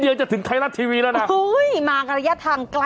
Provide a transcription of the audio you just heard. เขาบอกว่าเหตุการณ์เนี่ยเกิดขึ้นในช่วงตีสามครึ่งครับ